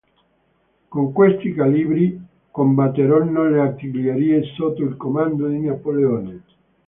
Con questi calibri combatterono le artiglierie sotto il comando di Napoleone.